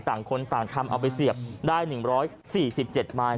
ต่างคนต่างทำเอาไปเสียบได้๑๔๗ไม้